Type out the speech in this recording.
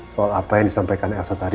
soal apa yang disampaikan elsa tadi